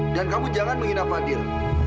dan kamu jangan menghina fadil